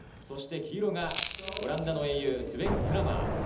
そして、黄色がオランダの英雄スベン・クラマー。